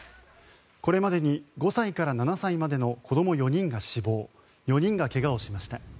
これまでに５歳から７歳までの子ども４人が死亡４人が怪我をしました。